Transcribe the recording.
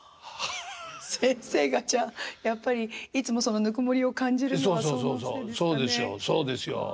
先生がじゃあやっぱりいつもそのぬくもりを感じるのはそのせいですかね。